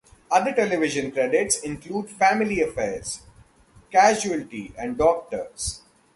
Other television credits include "Family Affairs", "Casualty" and "Doctors".